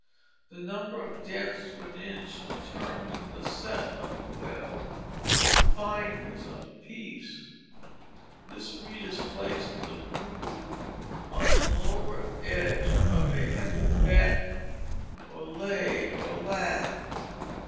The number of dents to an inch determined the "set of the web," the fineness of the piece. This reed is placed in a groove on the lower edge of a heavy batten (or lay or lathe).